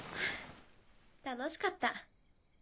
楽しかった。